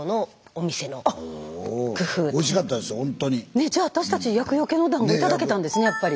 ねえじゃあ私たち厄よけのだんご頂けたんですねやっぱり。